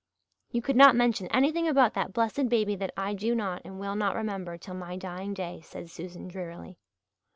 "You could not mention anything about that blessed baby that I do not and will not remember till my dying day," said Susan drearily.